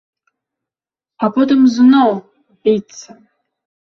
А потым зноў біцца.